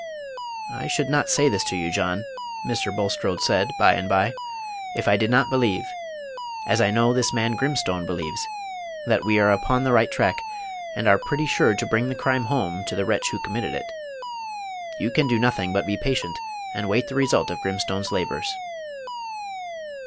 "I should not say this to you, John," Mr. Bulstrode said by and by, "if I did not believe as I know this man Grimstone believes Page 192 that we are upon the right track, and are pretty sure to bring the crime home to the wretch who committed it. You can do nothing but be patient, and wait the result of Grimstone's labors."